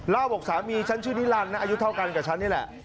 บอกสามีฉันชื่อนิรันดิอายุเท่ากันกับฉันนี่แหละ